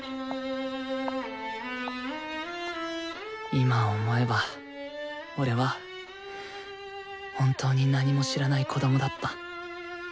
今思えば俺は本当に何も知らない子供だった。